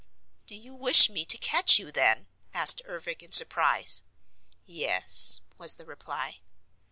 "Do you wish me to catch you, then?" asked Ervic in surprise. "Yes," was the reply.